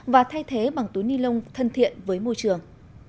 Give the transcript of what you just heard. và thay thế bằng túi nilon thân thiện với môi trường